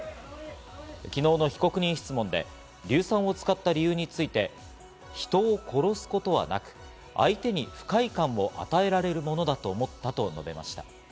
昨日の被告人質問で硫酸を使った理由について、人を殺すことはなく、相手に不快感を与えられるものだと思ったと述べました。